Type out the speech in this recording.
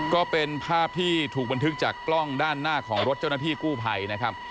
ก็เป็นภาพที่ถูกบันทึกจากกล้องด้านหน้าของรถเจ้าหน้าที่กู้ภัยนะครับ